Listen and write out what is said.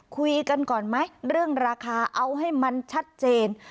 คุยกันก่อนไหมเรื่องราคาเอาให้มันชัดเจน